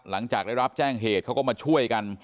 หลังจากได้รับแจ้งเหตุเขาก็มาช่วยกัน